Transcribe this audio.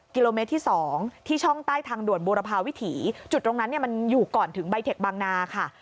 กิโลเมตรที่๒ที่ช่องใต้ทางด่วนบูรพาวิถีจุดตรงนั้นเนี่ยมันอยู่ก่อนถึงใบเทคบางนาค่ะ